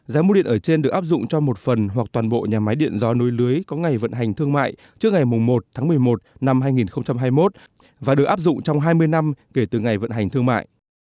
giá mua điện ở trên được áp dụng cho một phần hoặc toàn bộ nhà máy điện gió núi lưới có ngày vận hành thương mại trước ngày một tháng một mươi một năm hai nghìn hai mươi một và được áp dụng trong hai mươi năm kể từ ngày vận hành thương mại